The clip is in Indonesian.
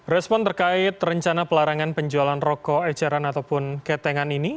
respon terkait rencana pelarangan penjualan rokok eceran ataupun ketengan ini